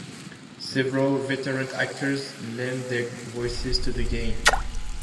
Several veteran actors lend their voices to the game.